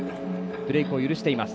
ブレークを許しています。